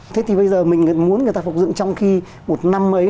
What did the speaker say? thế thì bây giờ mình muốn người ta phục dựng trong khi một năm ấy